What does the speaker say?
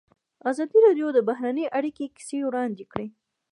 ازادي راډیو د بهرنۍ اړیکې کیسې وړاندې کړي.